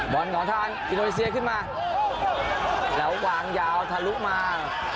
บอลของทางอินโดนีเซียขึ้นมาแล้ววางยาวทะลุมา